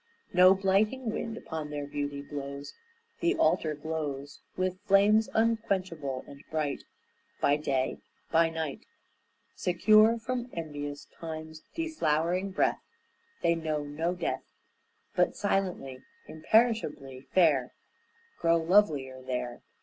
No blighting wind upon their beauty blows, The altar glows With flames unquenchable and bright By day, by night; Secure from envious time's deflowering breath They know no death, But silently, imperishably fair, Grow lovelier there.